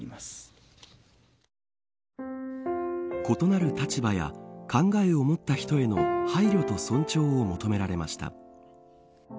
異なる立場や考えを持った人への配慮と尊重を求められました。